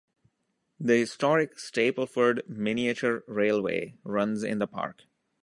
The historic Stapleford Miniature Railway runs in the park.